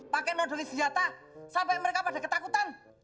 pakai nodori senjata sampai mereka pada ketakutan